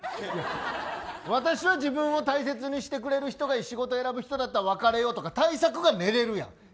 私は自分を大切にしてくれる人がいい仕事選ぶ人やったら別れようとか対策が練れるやん。